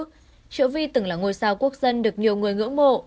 triệu vi từng là ngôi sao quốc dân được nhiều người ngưỡng mộ